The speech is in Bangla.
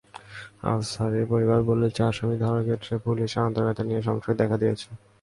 আফসারির পরিবার বলছে, আসামি ধরার ক্ষেত্রে পুলিশের আন্তরিকতা নিয়ে সংশয় দেখা দিয়েছে।